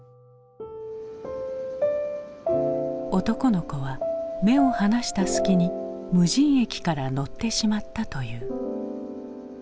男の子は目を離した隙に無人駅から乗ってしまったという。